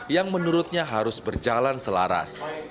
yang menurutnya harus berjalan selaras